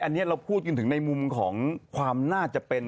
อันนี้เราพูดกันถึงในมุมของความน่าจะเป็น